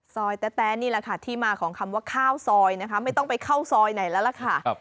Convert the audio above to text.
แต๊ะนี่แหละค่ะที่มาของคำว่าข้าวซอยนะคะไม่ต้องไปเข้าซอยไหนแล้วล่ะค่ะ